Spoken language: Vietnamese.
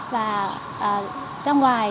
và ra ngoài